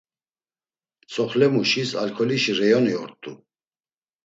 Tzoxlemuşis alkolişi reyoni ort̆u.